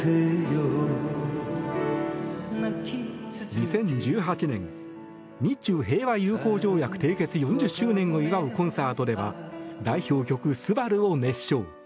２０１８年日中平和友好条約締結４０周年を祝うコンサートでは代表曲「昴−すばる−」を熱唱。